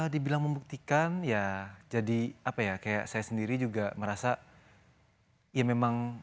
dibilang membuktikan ya jadi apa ya kayak saya sendiri juga merasa ya memang